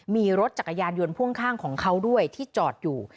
มีรถจักรยานยนต์พ่วงข้างของเขาด้วยที่จอดอยู่